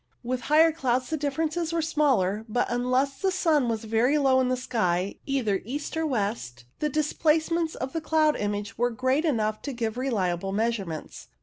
With higher clouds the differences were smaller, but unless the sun was very low in the sky, either east or west, the dis placements of the cloud image were great enough to give reliable measures.